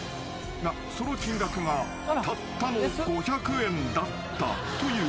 ［がその金額がたったの５００円だったというもの］